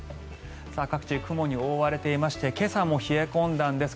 各地、雲に覆われていまして今朝も冷え込んだんです。